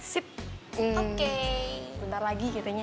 sip oke bentar lagi gitunya